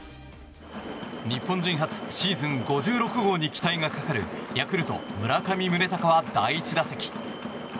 日本人初シーズン５６号に期待がかかるヤクルト村上宗隆は第１打席。